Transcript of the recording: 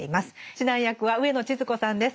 指南役は上野千鶴子さんです。